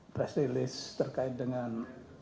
press release terkait dengan